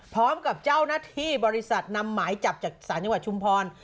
พร้อมกับเจ้าหน้าที่บริษัทนำหมายจับจากศาลจังหวัดชุมพร